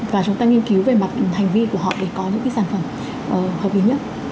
và chúng ta nghiên cứu về mặt hành vi của họ để có những sản phẩm hợp lý nhất